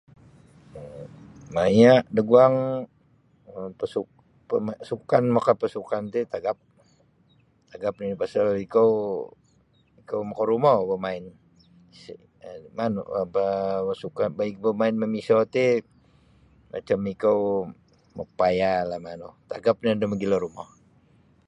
um Maya da guang um pasuk pa sukan makapasukan ti tagap tagap nini pasal ikou ikou makarumo bo bamain sa manu bamain mamiso ti macam ikou mapayahlah manu tagap nio do mogilo rumo.